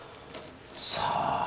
さあ。